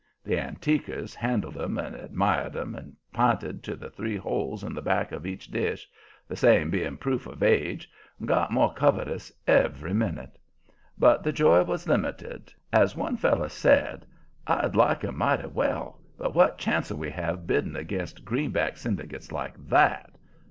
The "Antiquers" handled 'em and admired 'em and p'inted to the three holes in the back of each dish the same being proof of age and got more covetous every minute. But the joy was limited. As one feller said, "I'd like 'em mighty well, but what chance'll we have bidding against green back syndicates like that?"